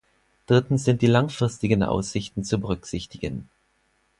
Drittens sind die langfristigen Aussichten zu berücksichtigen.